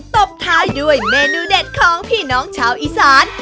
ตบท้ายด้วยเมนูเด็ดของพี่น้องชาวอีสาน